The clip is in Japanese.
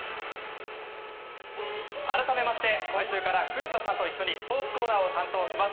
改めまして今週から古田さんと一緒にスポーツコーナーを担当します